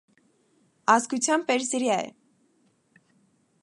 Ազգությամ էրզյա է։